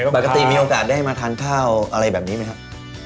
โหตรงใจข้าวปกติมีโอกาสได้มาทานข้าวอะไรแบบนี้ไหมครับ